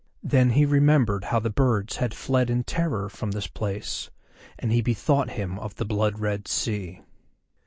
Then he remembered how the birds had fled in terror from this place, and he bethought him of the blood red sea.